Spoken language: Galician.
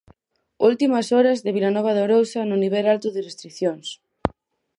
Últimas horas de Vilanova de Arousa no nivel alto de restricións.